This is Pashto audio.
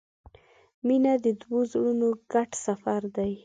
• مینه د دوو زړونو ګډ سفر دی.